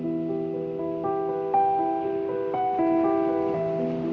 jika disyorpong sesuai kondisi finansial itu